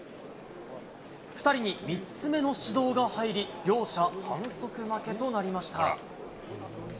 ２人に３つ目の指導が入り、両者反則負けとなりました。